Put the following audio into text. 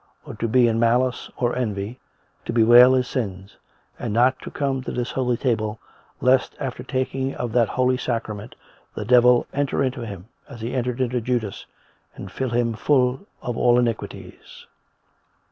or to be in malice or envy," to bewail his sins, and " not to come to this holy table, lest after the taking of that holy sacra ment, the devil enter into him, as he entered into Judas, and fill him full of all iniquities."